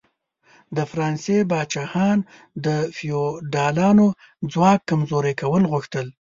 د فرانسې پاچاهان د فیوډالانو ځواک کمزوري کول غوښتل.